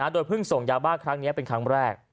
โดยเพิ่งส่งยาบ้าครั้งนี้เป็นครั้งแรก